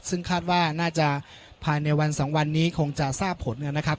ซึ่งคาดว่าน่าจะภายในวันสองวันนี้คงจะทราบผลนะครับ